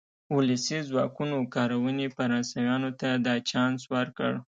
ولسي ځواکونو کارونې فرانسویانو ته دا چانس ورکړ.